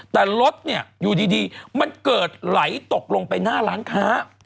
แต่รถเนี่ยอยู่ดีมันเกิดไหลตกลงไปหน้าร้านค้า